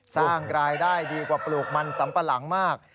สร้างรายได้ดีกว่าปลูกมันสำปะหลังมาก